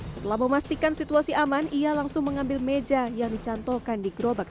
setelah memastikan situasi aman ia langsung mengambil meja yang dicantolkan di gerobak